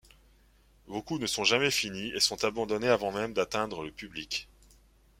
Beaucoup ne sont jamais finis et sont abandonnés avant même d'atteindre le public.